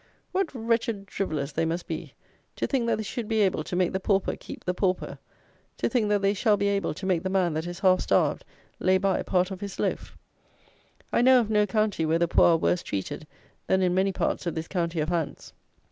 What wretched drivellers they must be: to think that they should be able to make the pauper keep the pauper; to think that they shall be able to make the man that is half starved lay by part of his loaf! I know of no county where the poor are worse treated than in many parts of this county of Hants.